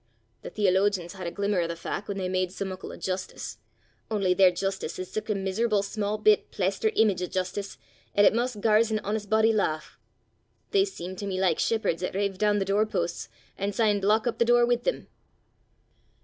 The theologians had a glimmer o' the fac' whan they made sae muckle o' justice, only their justice is sic a meeserable sma' bit plaister eemage o' justice, 'at it maist gars an honest body lauch. They seem to me like shepherds 'at rive doon the door posts, an' syne block up the door wi' them."